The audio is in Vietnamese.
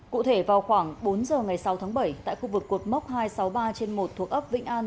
cụ thể vào khoảng bốn giờ ngày sáu tháng bảy tại khu vực cột mốc hai trăm sáu mươi ba trên một thuộc ấp vĩnh an